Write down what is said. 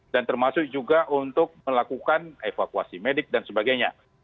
dan termasuk juga untuk melakukan evakuasi medik dan sebagainya